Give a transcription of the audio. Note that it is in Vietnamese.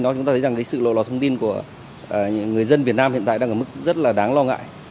đó chúng ta thấy rằng cái sự lộ lọt thông tin của người dân việt nam hiện tại đang ở mức rất là đáng lo ngại